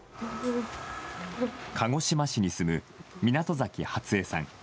鹿児島市に住む湊崎ハツヱさん。